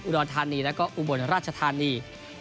รธานีแล้วก็อุบลราชธานี